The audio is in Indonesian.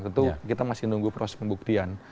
tentu kita masih menunggu proses pembuktian